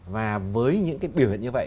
và với những cái biểu hiện như vậy